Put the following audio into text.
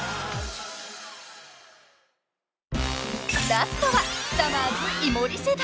［ラストはさまぁず井森世代］